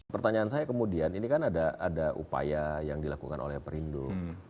pertanyaan saya kemudian ini kan ada upaya yang dilakukan oleh perindo